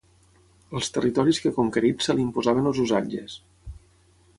Als territoris que conquerits se li imposaven els usatges.